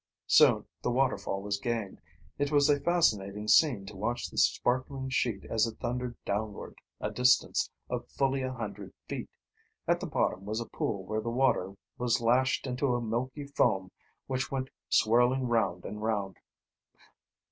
Soon the waterfall was gained. It was a fascinating scene to watch the sparkling sheet as it thundered downward a distance of fully a hundred feet. At the bottom was a pool where the water was lashed into a milky foam which went swirling round and round.